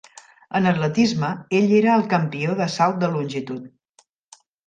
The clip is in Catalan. En atletisme, ell era el campió de salt de longitud.